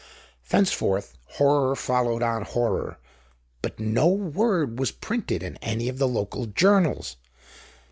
Thenceforth, horror followed on horror, but no word was printed in any of the local journals.